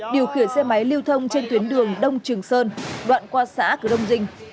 điều khỉa xe máy lưu thông trên tuyến đường đông trường sơn đoạn qua xã cửa đông dinh